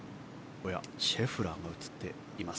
シェフラーが映っています。